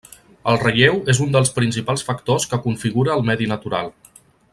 El relleu és un dels principals factors que configura el medi natural.